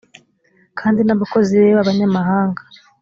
kandi n abakozi be b abanyamahanga